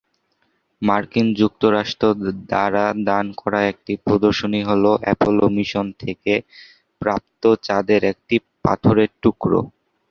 মার্কিন যুক্তরাষ্ট্র দ্বারা দান করা একটি প্রদর্শনী হলো অ্যাপোলো মিশন থেকে প্রাপ্ত চাঁদের একটি পাথরের টুকরো।